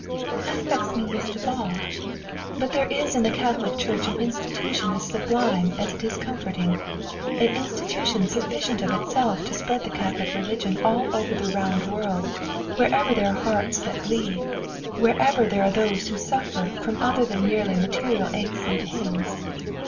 "That affects me least of all. But there is in the Catholic Church an institution as sublime as it is comforting, an institution sufficient of itself to spread the Catholic religion all over the round world wherever there are hearts that bleed, wherever there are those who suffer from other than merely material aches and pains.